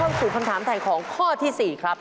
สู่คำถามถ่ายของข้อที่๔ครับ